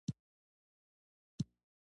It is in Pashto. د هندوشاهیانو دوره کې هندویزم و